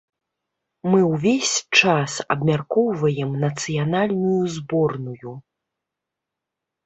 Мы ўвесь час абмяркоўваем нацыянальную зборную.